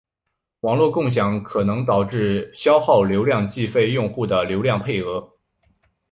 网络共享可能导致消耗流量计费用户的流量配额。